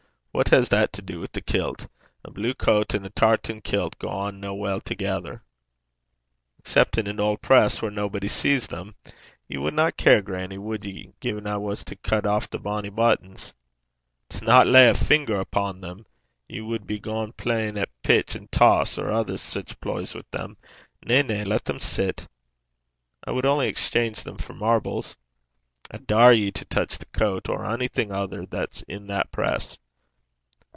What has that to do wi' the kilt? A blue coat and a tartan kilt gang na weel thegither.' 'Excep' in an auld press whaur naebody sees them. Ye wadna care, grannie, wad ye, gin I was to cut aff the bonnie buttons?' 'Dinna lay a finger upo' them. Ye wad be gaein' playin' at pitch and toss or ither sic ploys wi' them. Na, na, lat them sit.' 'I wad only niffer them for bools (exchange them for marbles).' 'I daur ye to touch the coat or onything 'ither that's i' that press.'